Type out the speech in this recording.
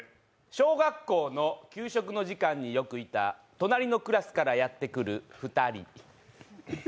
小学校の給食の時間によくいた隣のクラスからやってくる２人。